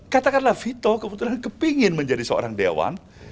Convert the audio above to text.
katakanlah vito kebetulan kepingin menjadi seorang dewan